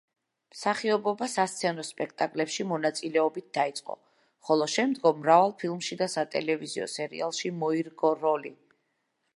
მსახიობობა სასცენო სპექტაკლებში მონაწილეობით დაიწყო, ხოლო შემდგომ მრავალ ფილმში და სატელევიზიო სერიალში მოირგო როლი.